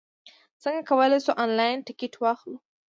څنګه کولای شو، انلاین ټکټ واخلو؟